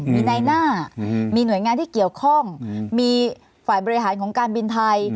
มีในหน้ามีหน่วยงานที่เกี่ยวข้องมีฝ่ายบริหารของการบินไทย